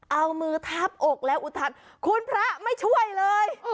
เอามือทาบอกแล้วอุทัศนคุณพระไม่ช่วยเลย